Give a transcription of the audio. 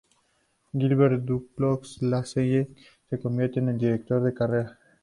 Gilbert Duclos-Lassalle se convierte en el director de carrera.